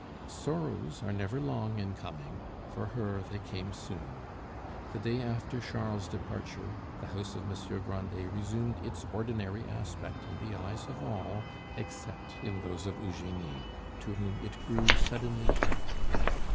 Sorrows are never long in coming; for her they came soon. The day after Charles's departure the house of Monsieur Grandet resumed its ordinary aspect in the eyes of all, except in those of Eugenie, to whom it grew suddenly empty.